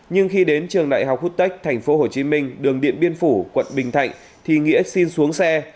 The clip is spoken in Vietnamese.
nhưng khi đến trường đại học khuất tech tp hcm đường điện biên phủ quận bình thạnh thì nghĩa xin xuống xe